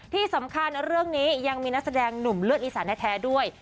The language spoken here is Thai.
ที่สำคัญเรื่องนี้ยังมีนักแสดงหนุ่มเลือดอีสานแท้ด้วย